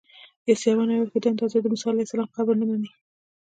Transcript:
عیسویان او یهودیان دا ځای د موسی علیه السلام قبر نه مني.